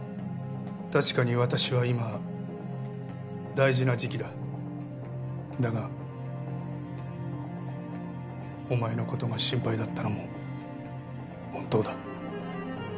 確かに私は今大事な時期だだがお前のことが心配だったのも本当だ